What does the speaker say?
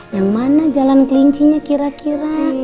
yang mana jalan kelincinya kira kira